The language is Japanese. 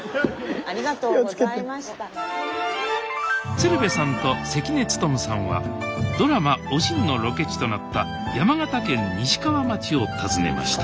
鶴瓶さんと関根勤さんはドラマ「おしん」のロケ地となった山形県西川町を訪ねました